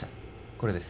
これです